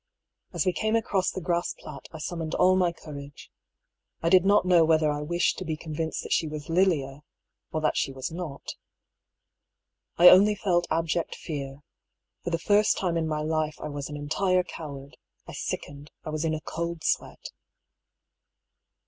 As we came across the grass plat I summoned all my courage. I did not know whether I wished to be convinced that she was Lilia — or that she was not I only felt abject fear — ^for the 264 DR. PAULL'S THEORY. first time in my life I was an entire coward : I sickened, I was in a cold sweat.